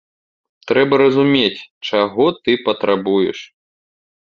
Трэба разумець, чаго ты патрабуеш.